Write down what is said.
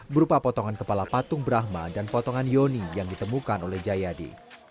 berupa potongan kepala patung brahma dan potongan yoni yang ditemukan oleh jayadi